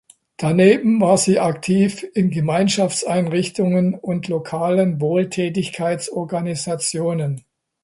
Daneben war sie aktiv in Gemeinschaftseinrichtungen und lokalen Wohltätigkeitsorganisationen.